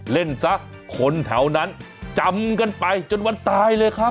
เล่นซะคนแถวนั้นจำกันไปจนวันตายเลยครับ